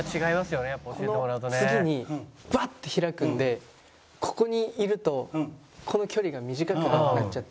この次にバッと開くんでここにいるとこの距離が短くなっちゃって。